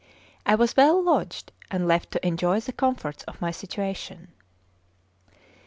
I was well lodged, and left to enjoy the comforts of my situation.